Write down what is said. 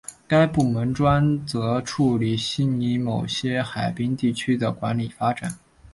该部门专责处理悉尼某些海滨地区的管理发展。